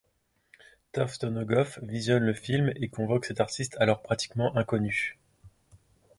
Tovstonogov visionne le film et convoque cet artiste alors pratiquement inconnu.